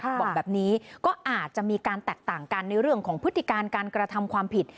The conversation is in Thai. บอกแบบนี้ก็อาจจะมีการแตกต่างกันในเรื่องของพฤติการการกระทำความผิด